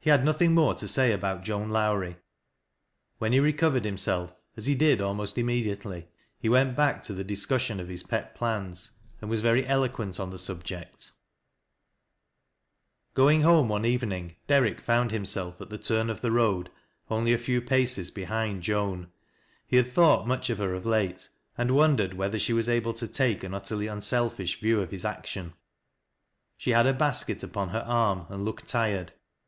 He had nothing more to say about Joan Lowrie :— when he recovered, himself, as he did almost immediately, he went back to the discussion of his pet plans, and was very eloquent on the subject. turn of the road on^ a few paces behind Joan. He had thought much of her of late, and wondered whether she was able to take an utterly unselfish view of his action. She had a basket upon her arm and looked tired.